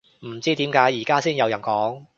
唔知點解而家先有人講